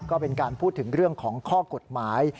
ก็เป็นการพูดถึงเรื่องของข้อกฎหมาย